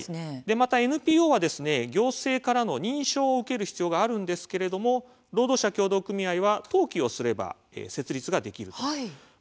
また、ＮＰＯは行政の認証を受ける必要があるんですが労働者協同組合は登記をすれば設立ができます。